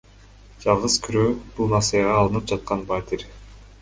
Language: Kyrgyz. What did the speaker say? Жалгыз күрөө — бул насыяга алынып жаткан батир.